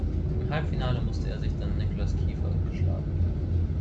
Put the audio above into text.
Im Halbfinale musste er sich dann Nicolas Kiefer geschlagen geben.